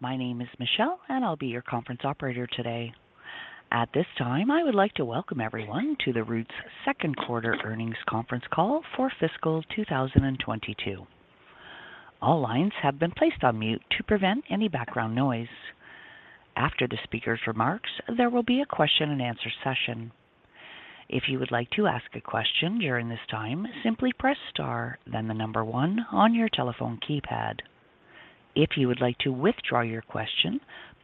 Good morning. My name is Michelle, and I'll be your conference operator today. At this time, I would like to welcome everyone to the Roots second quarter earnings conference call for fiscal 2022. All lines have been placed on mute to prevent any background noise. After the speaker's remarks, there will be a question-and-answer session. If you would like to ask a question during this time, simply press star, then the number 1 on your telephone keypad. If you would like to withdraw your question,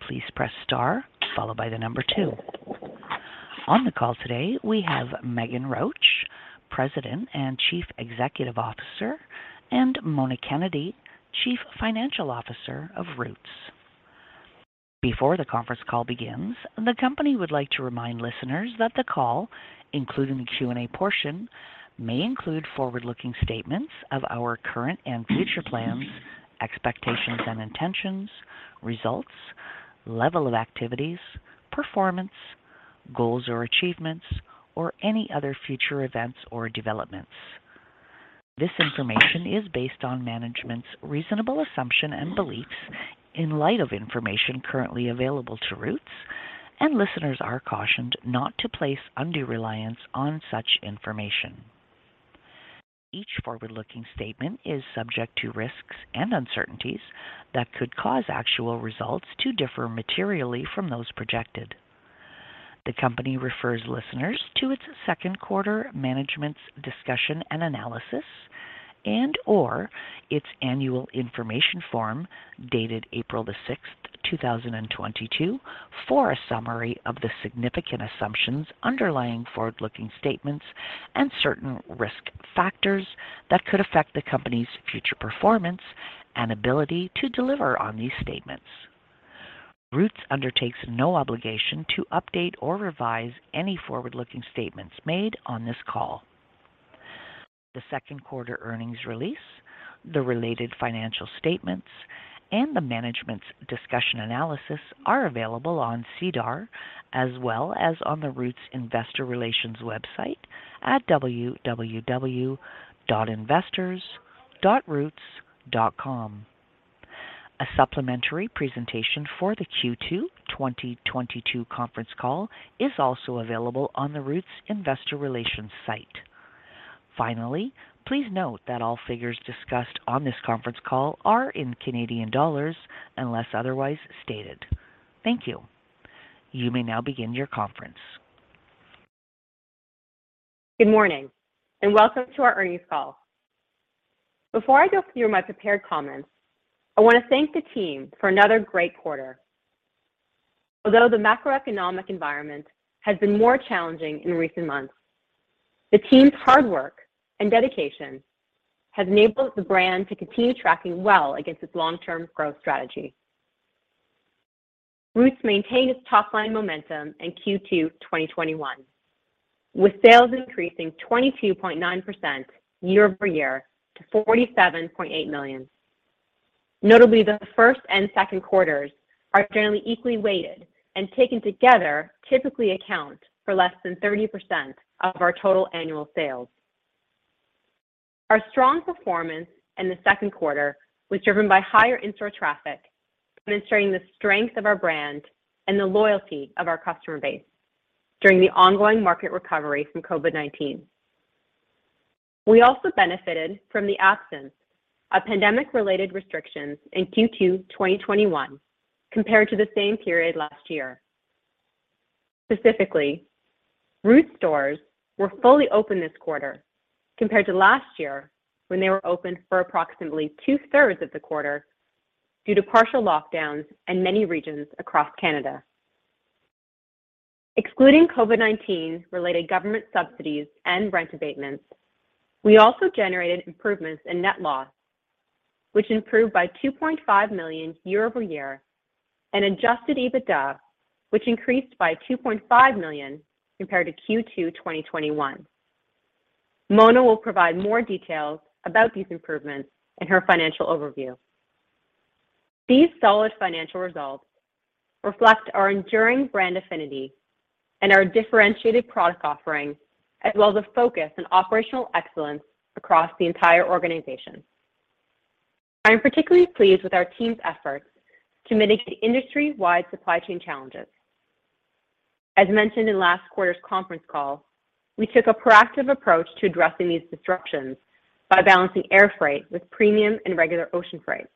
please press star followed by the number 2. On the call today, we have Meghan Roach, President and Chief Executive Officer, and Leon Wu, Chief Financial Officer of Roots. Before the conference call begins, the company would like to remind listeners that the call, including the Q&A portion, may include forward-looking statements of our current and future plans, expectations and intentions, results, level of activities, performance, goals or achievements, or any other future events or developments. This information is based on management's reasonable assumption and beliefs in light of information currently available to Roots, and listeners are cautioned not to place undue reliance on such information. Each forward-looking statement is subject to risks and uncertainties that could cause actual results to differ materially from those projected. The company refers listeners to its second quarter Management's Discussion and Analysis and/or its Annual Information Form dated April the sixth, 2022 for a summary of the significant assumptions underlying forward-looking statements and certain risk factors that could affect the company's future performance and ability to deliver on these statements. Roots undertakes no obligation to update or revise any forward-looking statements made on this call. The second quarter earnings release, the related financial statements, and the management's discussion and analysis are available on SEDAR as well as on the Roots investor relations website at www.investors.roots.com. A supplementary presentation for the Q2 2022 conference call is also available on the Roots investor relations site. Finally, please note that all figures discussed on this conference call are in Canadian dollars unless otherwise stated. Thank you. You may now begin your conference. Good morning and welcome to our earnings call. Before I go through my prepared comments, I wanna thank the team for another great quarter. Although the macroeconomic environment has been more challenging in recent months, the team's hard work and dedication has enabled the brand to continue tracking well against its long-term growth strategy. Roots maintained its top-line momentum in Q2 2021, with sales increasing 22.9% year-over-year to 47.8 million. Notably, the first and second quarters are generally equally weighted and taken together typically account for less than 30% of our total annual sales. Our strong performance in the second quarter was driven by higher in-store traffic, demonstrating the strength of our brand and the loyalty of our customer base during the ongoing market recovery from COVID-19. We benefited from the absence of pandemic-related restrictions in Q2 2021 compared to the same period last year. Specifically, Roots stores were fully open this quarter compared to last year when they were open for approximately two-thirds of the quarter due to partial lockdowns in many regions across Canada. Excluding COVID-19 related government subsidies and rent abatements, we generated improvements in net loss, which improved by 2.5 million year-over-year, and Adjusted EBITDA, which increased by 2.5 million compared to Q2 2021. Mona will provide more details about these improvements in her financial overview. These solid financial results reflect our enduring brand affinity and our differentiated product offerings, as well as a focus on operational excellence across the entire organization. I am particularly pleased with our team's efforts to mitigate industry-wide supply chain challenges. As mentioned in last quarter's conference call, we took a proactive approach to addressing these disruptions by balancing air freight with premium and regular ocean freight.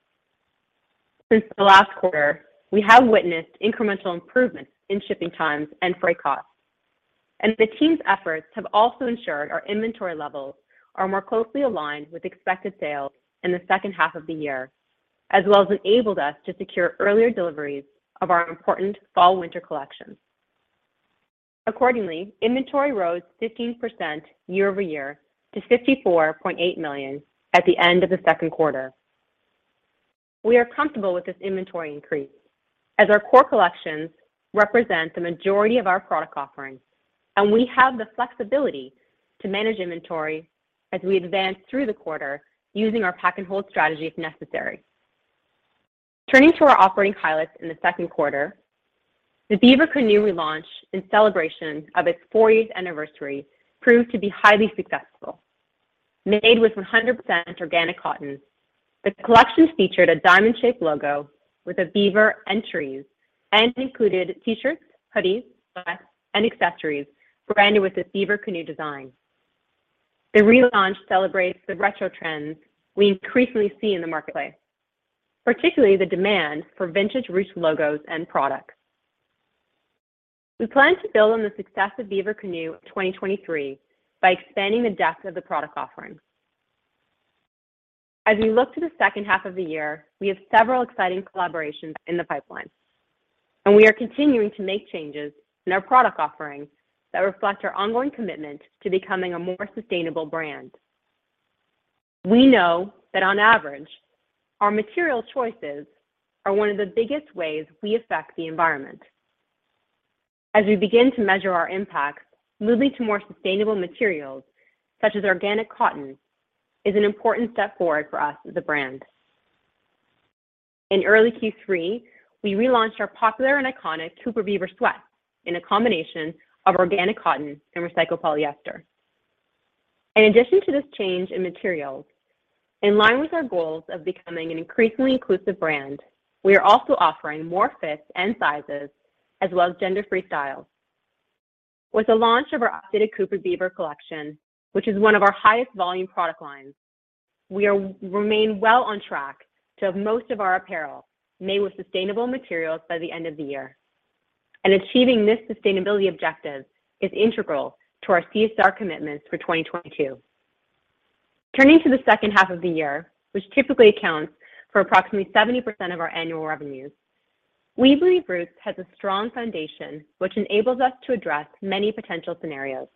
Since the last quarter, we have witnessed incremental improvements in shipping times and freight costs, and the team's efforts have also ensured our inventory levels are more closely aligned with expected sales in the second half of the year, as well as enabled us to secure earlier deliveries of our important fall/winter collections. Accordingly, inventory rose 15% year-over-year to 54.8 million at the end of the second quarter. We are comfortable with this inventory increase as our core collections represent the majority of our product offerings, and we have the flexibility to manage inventory as we advance through the quarter using our pack and hold strategy if necessary. Turning to our operating highlights in the second quarter, the Beaver Canoe relaunch in celebration of its fortieth anniversary proved to be highly successful. Made with 100% organic cotton, the collection featured a diamond-shaped logo with a beaver and trees and included T-shirts, hoodies, vests, and accessories branded with a Beaver Canoe design. The relaunch celebrates the retro trends we increasingly see in the marketplace, particularly the demand for vintage Roots logos and products. We plan to build on the success of Beaver Canoe in 2023 by expanding the depth of the product offerings. As we look to the second half of the year, we have several exciting collaborations in the pipeline, and we are continuing to make changes in our product offerings that reflect our ongoing commitment to becoming a more sustainable brand. We know that on average, our material choices are one of the biggest ways we affect the environment. As we begin to measure our impact, moving to more sustainable materials such as organic cotton is an important step forward for us as a brand. In early Q3, we relaunched our popular and iconic Cooper Beaver sweat in a combination of organic cotton and recycled polyester. In addition to this change in materials, in line with our goals of becoming an increasingly inclusive brand, we are also offering more fits and sizes as well as gender-free styles. With the launch of our updated Cooper Beaver collection, which is one of our highest volume product lines, we remain well on track to have most of our apparel made with sustainable materials by the end of the year. Achieving this sustainability objective is integral to our CSR commitments for 2022. Turning to the second half of the year, which typically accounts for approximately 70% of our annual revenues, we believe Roots has a strong foundation which enables us to address many potential scenarios.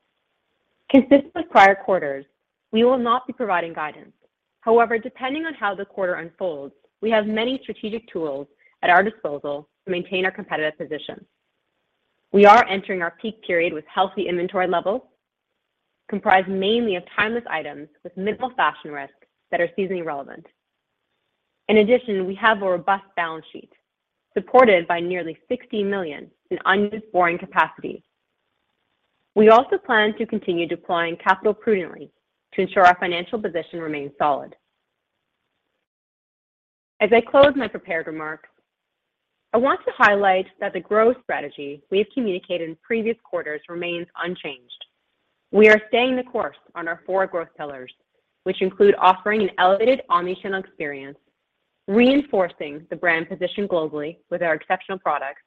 Consistent with prior quarters, we will not be providing guidance. However, depending on how the quarter unfolds, we have many strategic tools at our disposal to maintain our competitive position. We are entering our peak period with healthy inventory levels, comprised mainly of timeless items with minimal fashion risk that are seasonally relevant. In addition, we have a robust balance sheet supported by nearly 60 million in unused borrowing capacity. We also plan to continue deploying capital prudently to ensure our financial position remains solid. As I close my prepared remarks, I want to highlight that the growth strategy we have communicated in previous quarters remains unchanged. We are staying the course on our four growth pillars, which include offering an elevated omnichannel experience, reinforcing the brand position globally with our exceptional products,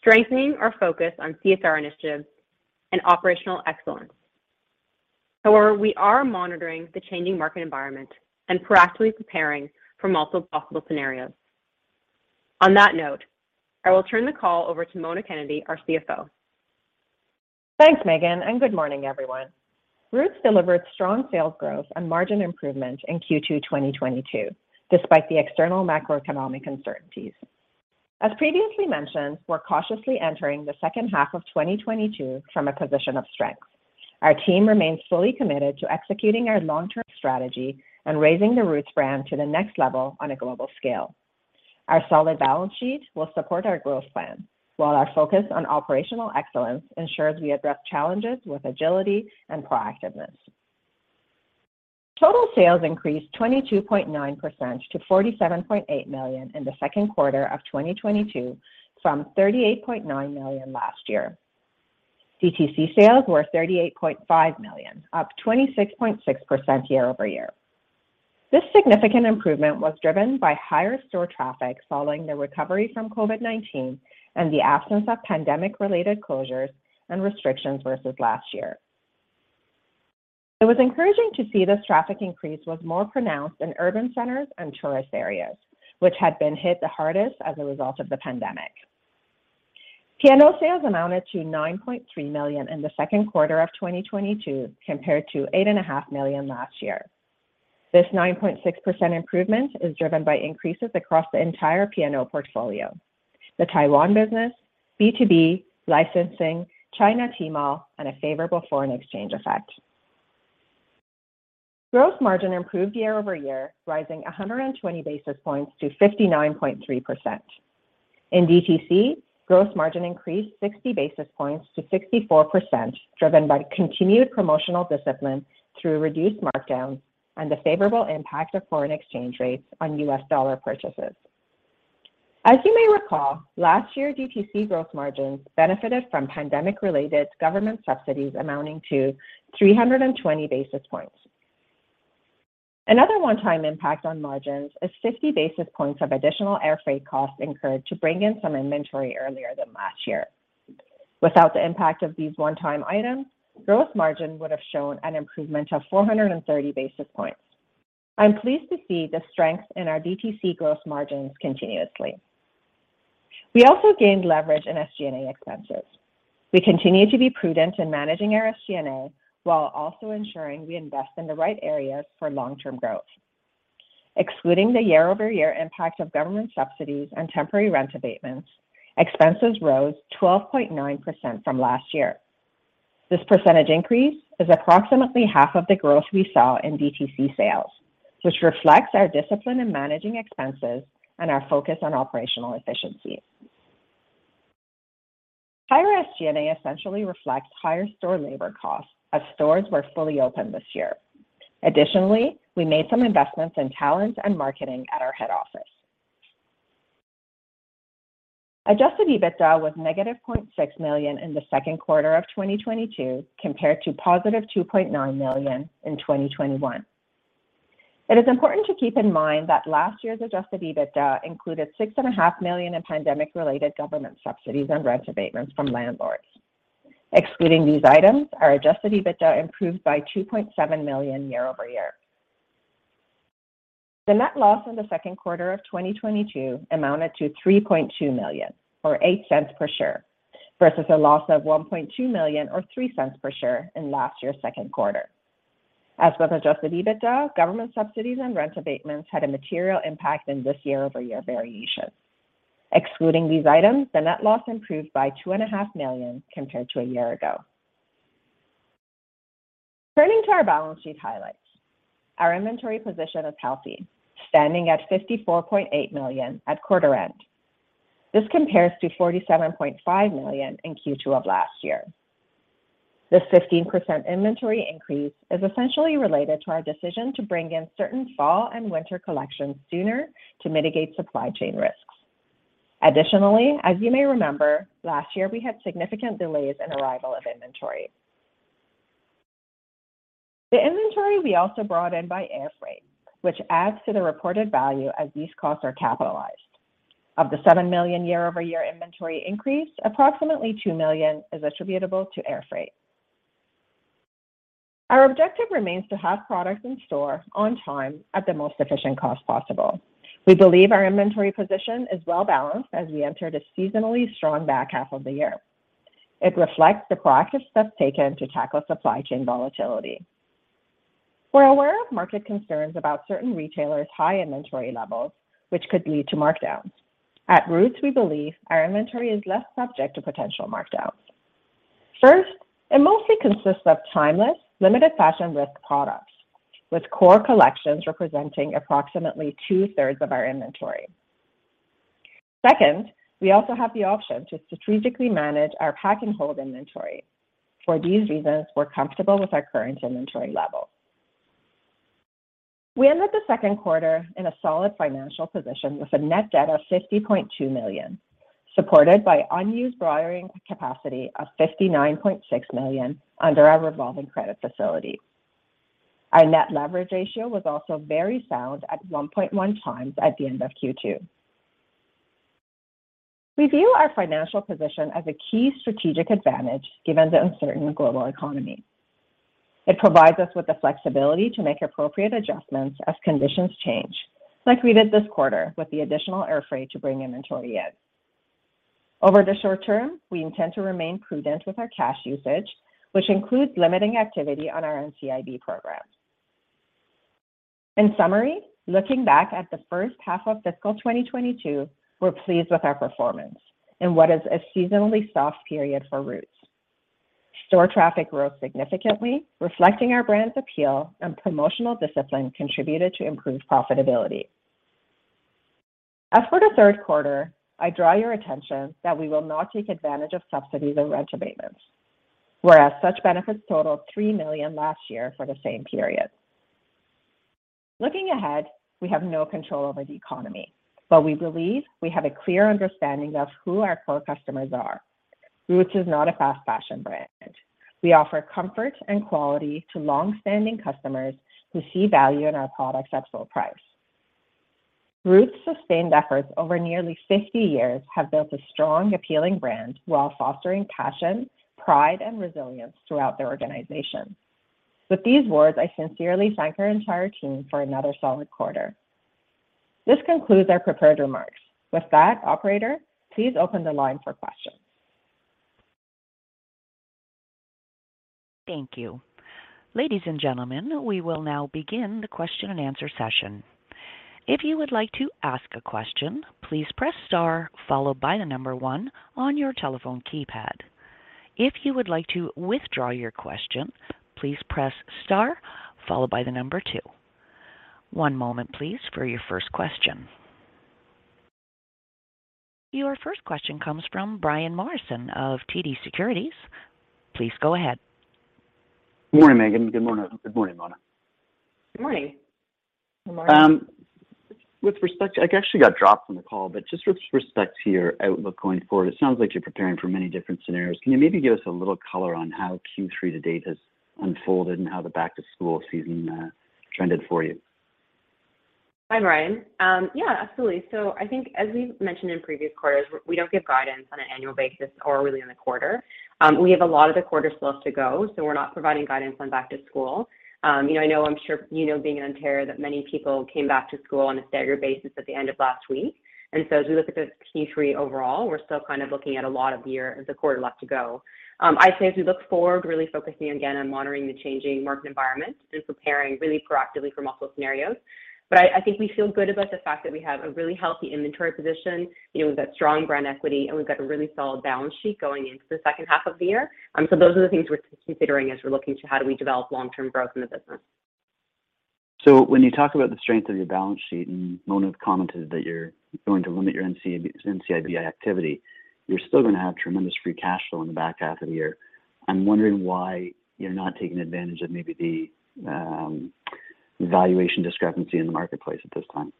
strengthening our focus on CSR initiatives and operational excellence. However, we are monitoring the changing market environment and proactively preparing for multiple possible scenarios. On that note, I will turn the call over to Leon Wu, our CFO. Thanks, Meghan, and good morning, everyone. Roots delivered strong sales growth and margin improvement in Q2 2022 despite the external macroeconomic uncertainties. As previously mentioned, we're cautiously entering the second half of 2022 from a position of strength. Our team remains fully committed to executing our long-term strategy and raising the Roots brand to the next level on a global scale. Our solid balance sheet will support our growth plan, while our focus on operational excellence ensures we address challenges with agility and proactiveness. Total sales increased 22.9% to 47.8 million in the second quarter of 2022 from 38.9 million last year. DTC sales were 38.5 million, up 26.6% year over year. This significant improvement was driven by higher store traffic following the recovery from COVID-19 and the absence of pandemic-related closures and restrictions versus last year. It was encouraging to see this traffic increase was more pronounced in urban centers and tourist areas, which had been hit the hardest as a result of the pandemic. P&O sales amounted to 9.3 million in the second quarter of 2022 compared to 8.5 million last year. This 9.6% improvement is driven by increases across the entire P&O portfolio, the Taiwan business, B2B, licensing, China Tmall, and a favorable foreign exchange effect. Gross margin improved year-over-year, rising 120 basis points to 59.3%. In DTC, gross margin increased 60 basis points to 64%, driven by continued promotional discipline through reduced markdowns and the favorable impact of foreign exchange rates on U.S. dollar purchases. As you may recall, last year DTC gross margins benefited from pandemic-related government subsidies amounting to 320 basis points. Another one-time impact on margins is 50 basis points of additional airfreight costs incurred to bring in some inventory earlier than last year. Without the impact of these one-time items, gross margin would have shown an improvement of 430 basis points. I'm pleased to see the strength in our DTC gross margins continuously. We also gained leverage in SG&A expenses. We continue to be prudent in managing our SG&A while also ensuring we invest in the right areas for long-term growth. Excluding the year-over-year impact of government subsidies and temporary rent abatements, expenses rose 12.9% from last year. This percentage increase is approximately half of the growth we saw in DTC sales, which reflects our discipline in managing expenses and our focus on operational efficiency. Higher SG&A essentially reflects higher store labor costs as stores were fully open this year. Additionally, we made some investments in talent and marketing at our head office. Adjusted EBITDA was -0.6 million in the second quarter of 2022, compared to 2.9 million in 2021. It is important to keep in mind that last year's adjusted EBITDA included 6.5 million in pandemic-related government subsidies and rent abatements from landlords. Excluding these items, our adjusted EBITDA improved by 2.7 million year-over-year. The net loss in the second quarter of 2022 amounted to 3.2 million, or 0.08 per share, versus a loss of 1.2 million or 0.03 per share in last year's second quarter. As with Adjusted EBITDA, government subsidies and rent abatements had a material impact in this year-over-year variation. Excluding these items, the net loss improved by two and a half million compared to a year ago. Turning to our balance sheet highlights. Our inventory position is healthy, standing at 54.8 million at quarter end. This compares to 47.5 million in Q2 of last year. This 15% inventory increase is essentially related to our decision to bring in certain fall and winter collections sooner to mitigate supply chain risks. Additionally, as you may remember, last year we had significant delays in arrival of inventory. The inventory we also brought in by air freight, which adds to the reported value as these costs are capitalized. Of the 7 million year-over-year inventory increase, approximately 2 million is attributable to air freight. Our objective remains to have product in store on time at the most efficient cost possible. We believe our inventory position is well-balanced as we enter the seasonally strong back half of the year. It reflects the proactive steps taken to tackle supply chain volatility. We're aware of market concerns about certain retailers' high inventory levels, which could lead to markdowns. At Roots, we believe our inventory is less subject to potential markdowns. First, it mostly consists of timeless, limited fashion risk products, with core collections representing approximately two-thirds of our inventory. Second, we also have the option to strategically manage our pack and hold inventory. For these reasons, we're comfortable with our current inventory levels. We ended the second quarter in a solid financial position with a net debt of 50.2 million, supported by unused borrowing capacity of 59.6 million under our revolving credit facility. Our net leverage ratio was also very sound at 1.1x at the end of Q2. We view our financial position as a key strategic advantage given the uncertain global economy. It provides us with the flexibility to make appropriate adjustments as conditions change, like we did this quarter with the additional air freight to bring inventory in. Over the short term, we intend to remain prudent with our cash usage, which includes limiting activity on our NCIB program. In summary, looking back at the first half of fiscal 2022, we're pleased with our performance in what is a seasonally soft period for Roots. Store traffic grew significantly, reflecting our brand's appeal and promotional discipline contributed to improved profitability. As for the third quarter, I draw your attention that we will not take advantage of subsidies or rent abatements, whereas such benefits totaled 3 million last year for the same period. Looking ahead, we have no control over the economy, but we believe we have a clear understanding of who our core customers are. Roots is not a fast fashion brand. We offer comfort and quality to long-standing customers who see value in our products at full price. Roots' sustained efforts over nearly 50 years have built a strong, appealing brand while fostering passion, pride, and resilience throughout the organization. With these words, I sincerely thank our entire team for another solid quarter. This concludes our prepared remarks. With that, operator, please open the line for questions. Thank you. Ladies and gentlemen, we will now begin the question and answer session. If you would like to ask a question, please press star followed by number 1 on your telephone keypad. If you would like to withdraw your question, please press star followed by number 2. One moment, please, for your first question. Your first question comes from Brian Morrison of TD Securities. Please go ahead. Good morning, Meghan. Good morning. Good morning, Mona. Good morning. Good morning. With respect, I actually got dropped from the call, but just with respect to your outlook going forward, it sounds like you're preparing for many different scenarios. Can you maybe give us a little color on how Q3 to date has unfolded and how the back-to-school season trended for you? Hi, Brian. Yeah, absolutely. I think as we've mentioned in previous quarters, we don't give guidance on an annual basis or really on the quarter. We have a lot of the quarter still left to go, so we're not providing guidance on back to school. You know, I know I'm sure you know, being in Ontario, that many people came back to school on a staggered basis at the end of last week. As we look at the Q3 overall, we're still kind of looking at a lot of the quarter left to go. I'd say as we look forward, really focusing again on monitoring the changing market environment and preparing really proactively for multiple scenarios. I think we feel good about the fact that we have a really healthy inventory position. You know, we've got strong brand equity, and we've got a really solid balance sheet going into the second half of the year. Those are the things we're considering as we're looking to how do we develop long-term growth in the business. When you talk about the strength of your balance sheet, and Mona commented that you're going to limit your NCIB activity, you're still gonna have tremendous free cash flow in the back half of the year. I'm wondering why you're not taking advantage of maybe the valuation discrepancy in the marketplace at this time?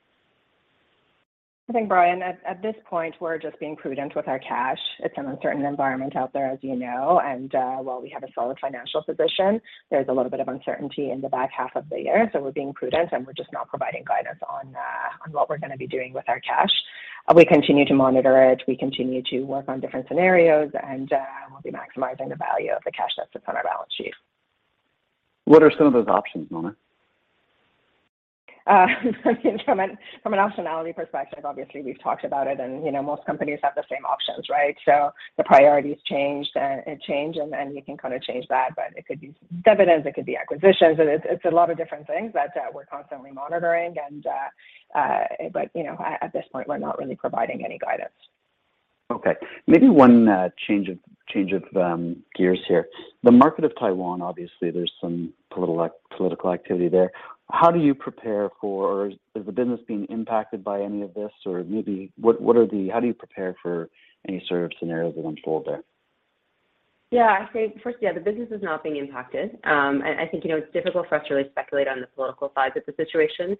I think, Brian, at this point, we're just being prudent with our cash. It's an uncertain environment out there, as you know, and while we have a solid financial position, there's a little bit of uncertainty in the back half of the year. We're being prudent, and we're just not providing guidance on what we're gonna be doing with our cash. We continue to monitor it. We continue to work on different scenarios and we'll be maximizing the value of the cash that sits on our balance sheet. What are some of those options, Mona? From an optionality perspective, obviously, we've talked about it, and you know, most companies have the same options, right? The priorities change and you can kinda change that, but it could be dividends, it could be acquisitions. It's a lot of different things that we're constantly monitoring, but you know, at this point, we're not really providing any guidance. Okay, maybe one change of gears here. The market of Taiwan, obviously, there's some political activity there. Is the business being impacted by any of this? How do you prepare for any sort of scenarios that unfold there? Yeah, I think first, yeah, the business is not being impacted. I think, you know, it's difficult for us to really speculate on the political side of the situation.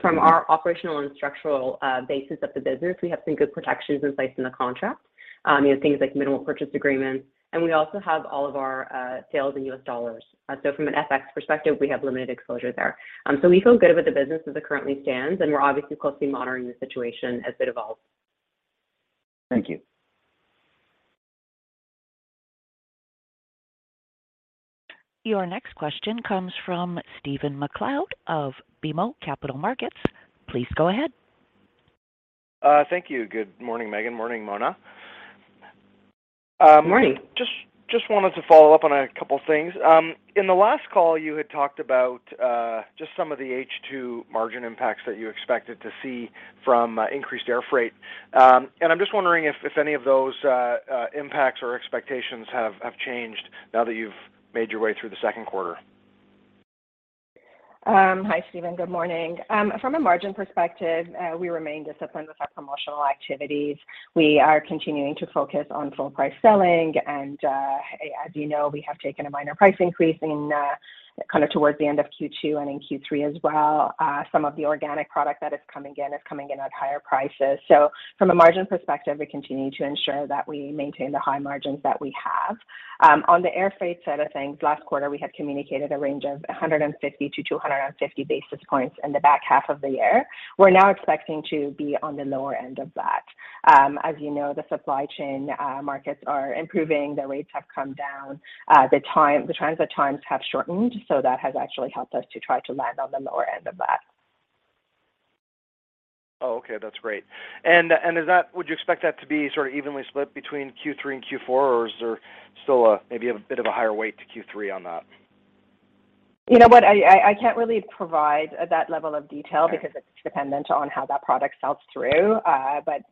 From our operational and structural basis of the business, we have some good protections in place in the contract. You know, things like minimal purchase agreements, and we also have all of our sales in U.S. dollars. From an FX perspective, we have limited exposure there. We feel good about the business as it currently stands, and we're obviously closely monitoring the situation as it evolves. Thank you. Your next question comes from Stephen MacLeod of BMO Capital Markets. Please go ahead. Thank you. Good morning, Meghan. Morning, Mona. Morning. Just wanted to follow up on a couple things. In the last call, you had talked about just some of the H2 margin impacts that you expected to see from increased air freight. I'm just wondering if any of those impacts or expectations have changed now that you've made your way through the second quarter. Hi, Stephen. Good morning. From a margin perspective, we remain disciplined with our promotional activities. We are continuing to focus on full-price selling and, as you know, we have taken a minor price increase in, kind of towards the end of Q2 and in Q3 as well. Some of the organic product that is coming in is coming in at higher prices. From a margin perspective, we continue to ensure that we maintain the high margins that we have. On the air freight side of things, last quarter, we had communicated a range of 150-250 basis points in the back half of the year. We're now expecting to be on the lower end of that. As you know, the supply chain markets are improving. The rates have come down. The transit times have shortened, so that has actually helped us to try to land on the lower end of that. Oh, okay. That's great. Would you expect that to be sort of evenly split between Q3 and Q4, or is there still maybe a bit of a higher weight to Q3 on that? You know what, I can't really provide that level of detail. Sure because it's dependent on how that product sells through.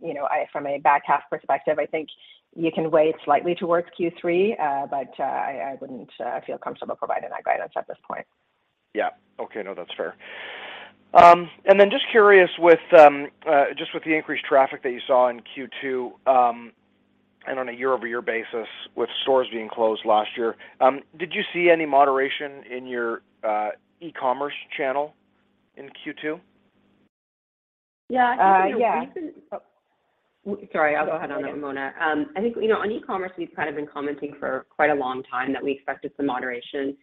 You know, from a back half perspective, I think you can weigh slightly towards Q3, but I wouldn't feel comfortable providing that guidance at this point. Yeah. Okay. No, that's fair. Just curious with the increased traffic that you saw in Q2, and on a year-over-year basis with stores being closed last year, did you see any moderation in your e-commerce channel in Q2? Yeah. I think the reason- Yeah. Oh, sorry. I'll go ahead on that, Mona. I think, you know, on e-commerce, we've kind of been commenting for quite a long time that we expected some moderation,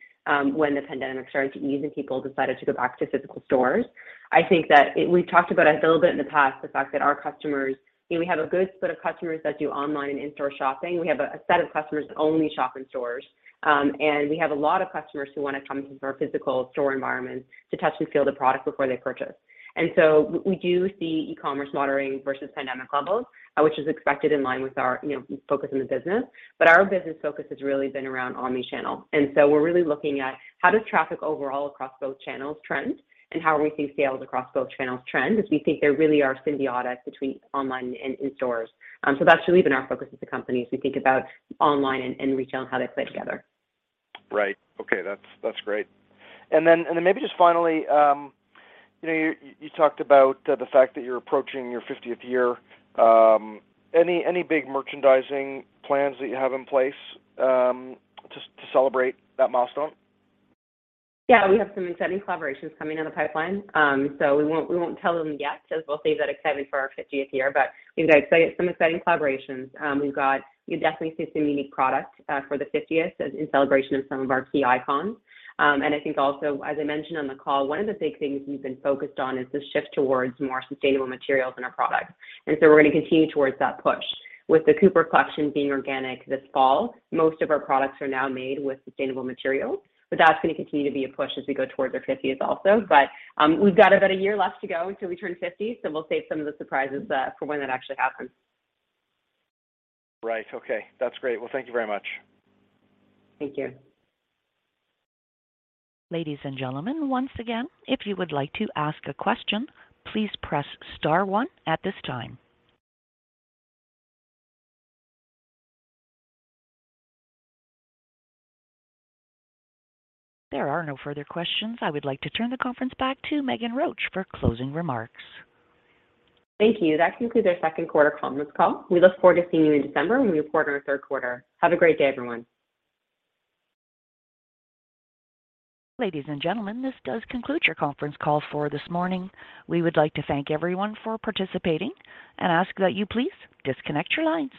when the pandemic started to ease and people decided to go back to physical stores. I think. We've talked about a little bit in the past the fact that our customers, you know, we have a good set of customers that do online and in-store shopping. We have a set of customers that only shop in stores, and we have a lot of customers who wanna come to our physical store environment to touch and feel the product before they purchase. We do see e-commerce moderating versus pandemic levels, which is expected in line with our, you know, focus in the business. Our business focus has really been around omnichannel. We're really looking at how does traffic overall across both channels trend, and how are we seeing sales across both channels trend, as we think there really are symbiotic between online and in stores. That's really been our focus as a company, as we think about online and retail and how they play together. Right. Okay. That's great. Maybe just finally, you know, you talked about the fact that you're approaching your 50th year. Any big merchandising plans that you have in place to celebrate that milestone? Yeah, we have some exciting collaborations coming down the pipeline. We won't tell them yet as we'll save that excitement for our 50th year. We've got exciting collaborations. You'll definitely see some unique product for the fiftieth as in celebration of some of our key icons. I think also, as I mentioned on the call, one of the big things we've been focused on is the shift towards more sustainable materials in our products. We're gonna continue towards that push. With the Cooper collection being organic this fall, most of our products are now made with sustainable materials, but that's gonna continue to be a push as we go towards our fiftieth also. We've got about a year left to go until we turn 50, so we'll save some of the surprises for when that actually happens. Right. Okay. That's great. Well, thank you very much. Thank you. Ladies and gentlemen, once again, if you would like to ask a question, please press star one at this time. There are no further questions. I would like to turn the conference back to Meghan Roach for closing remarks. Thank you. That concludes our second quarter conference call. We look forward to seeing you in December when we report on our third quarter. Have a great day, everyone. Ladies and gentlemen, this does conclude your conference call for this morning. We would like to thank everyone for participating and ask that you please disconnect your lines.